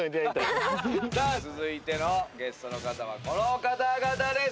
続いてのゲストの方はこの方々です。